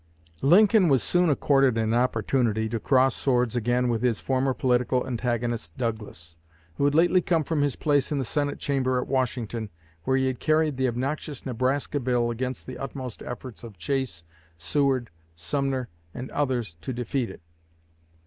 Lincoln was soon accorded an opportunity to cross swords again with his former political antagonist, Douglas, who had lately come from his place in the Senate Chamber at Washington, where he had carried the obnoxious Nebraska Bill against the utmost efforts of Chase, Seward, Sumner, and others, to defeat it.